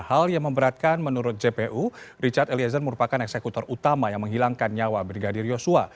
hal yang memberatkan menurut jpu richard eliezer merupakan eksekutor utama yang menghilangkan nyawa brigadir yosua